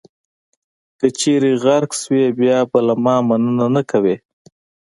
که چېرې غرق شوئ، بیا به له ما مننه نه کوئ.